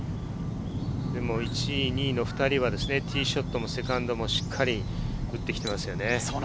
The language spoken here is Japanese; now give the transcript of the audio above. １位、２位の２人はティーショットもセカンドもしっかり打ってきていますよね。